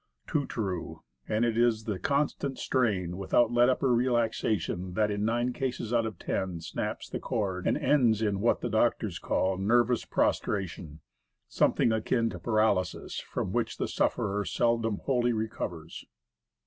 Too true. And it 2 Woodcraft. is the constant strain, without let up or relaxation, that, in nine cases out of ten, snaps the chord and ends in what the doctors call "nervous prostration" something akin to paralysis from which the sufferer seldom wholly recovers.